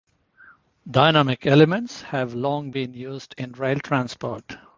Dynamic elements have long been used in rail transport.